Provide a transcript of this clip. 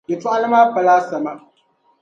Yɛltɔɣili maa pala asama.